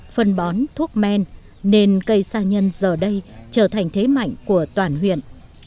phân bón thuốc men nên cây sa nhân giờ đây trở thành thế mạnh của toàn huyện